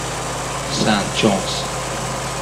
سنت جونز